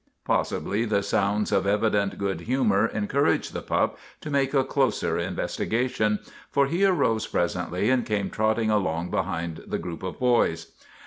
Possibly the sounds of evident good humor encouraged the pup to make a closer investi gation, for he arose presently and came trotting along behind the group of boys.